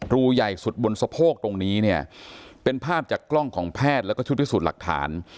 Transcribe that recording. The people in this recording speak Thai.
รูใหญ่สุดบนสะโพกตรงนี้เนี่ยเป็นภาพจากกล้องของแพทย์แล้วก็ชุดพิสูจน์หลักฐาน